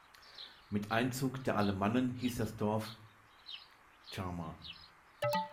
Mit Einzug der Alemannen hiess das Dorf "chama".